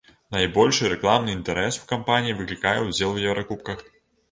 Найбольшы рэкламны інтарэс у кампаній выклікае ўдзел у еўракубках.